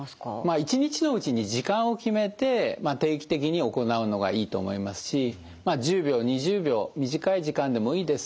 １日のうちに時間を決めて定期的に行うのがいいと思いますし１０秒２０秒短い時間でもいいです。